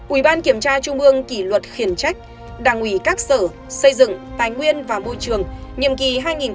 ủy ban kiểm tra trung ương kỷ luật khiển trách đảng ủy các sở xây dựng tài nguyên và môi trường nhiệm kỳ hai nghìn một mươi năm hai nghìn hai mươi